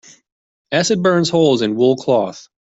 Acid burns holes in wool cloth.